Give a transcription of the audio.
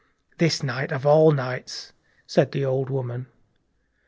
"This night of all nights!" whispered the old woman.